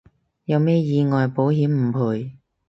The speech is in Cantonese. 有咩意外保險唔賠